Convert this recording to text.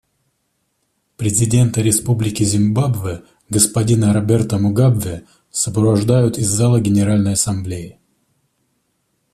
Президента Республики Зимбабве господина Роберта Мугабе сопровождают из зала Генеральной Ассамблеи.